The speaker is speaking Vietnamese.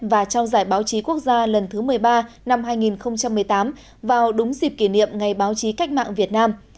và trao giải báo chí quốc gia lần thứ một mươi ba năm hai nghìn một mươi tám vào đúng dịp kỷ niệm ngày báo chí cách mạng việt nam